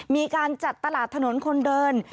มีการจัดตลาดถนนคนเดิน